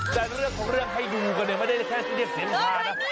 แต่เรื่องของเรื่องให้ดูกันเนี่ยไม่ได้แค่ที่เรียกเสียงฮานะ